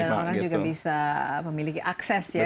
orang juga bisa memiliki akses ya